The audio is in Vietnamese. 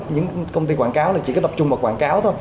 những công ty quảng cáo là chỉ có tập trung vào quảng cáo thôi